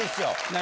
何？